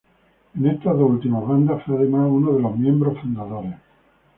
En estas dos últimas bandas, fue, además, uno de los miembros fundadores.